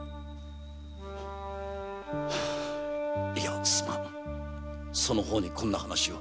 いやすまんその方にこんな話を。